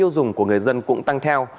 dùng của người dân cũng tăng theo